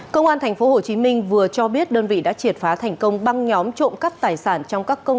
công an tp hcm vừa cho biết đơn vị đã triệt phá thành công băng nhóm trộm cắt tài sản